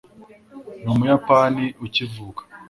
ni umuyapani ukivuka